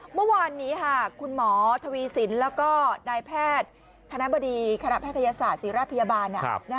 เมื่อวานนี้คุณหมอทวีสินแล้วก็นายแพทย์คณะบดีคณะแพทยศาสตร์ศิราชพยาบาล